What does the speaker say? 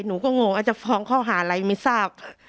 หนูก็งงอาจจะฟ้องข้อหาอะไรไม่ทราบ